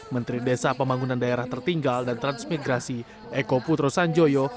menteri desa pembangunan daerah tertinggal dan transmigrasi eko putro sanjoyo